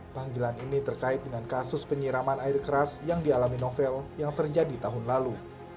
panggilan ini terkait dengan kasus penyiraman air keras yang dialami novel yang terjadi tahun lalu